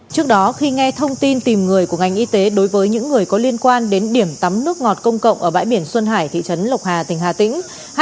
trước đó khi nghe thông tin tìm người của ngành y tế đối với những người có liên quan đến điểm tắm nước ngọt công cộng ở bãi biển xuân hải thị trấn lộc hà tỉnh hà tĩnh